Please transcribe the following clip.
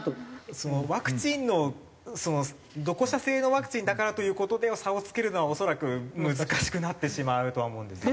そのワクチンのどこ社製のワクチンだからという事で差をつけるのは恐らく難しくなってしまうとは思うんですよね。